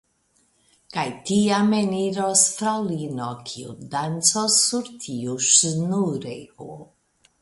Kaj tiam eniros fraŭlino, kiu dancos sur tiu ŝnurego.